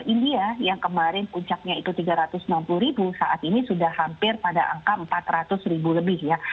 india yang kemarin puncaknya itu tiga ratus enam puluh ribu saat ini sudah hampir pada angka empat ratus ribu lebih ya